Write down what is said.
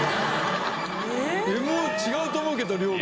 もう違うと思うけど量が。